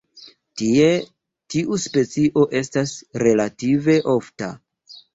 Tie tiu specio estas relative ofta.